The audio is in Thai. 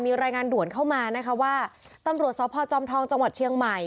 มีรายงานด่วนเข้ามานะคะว่าตำรวจสพจอมทองจังหวัดเชียงใหม่